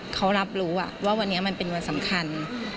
เขารับรู้ว่าวันนี้มันเป็นวันสำคัญ